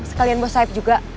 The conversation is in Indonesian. sekalian bos saeb juga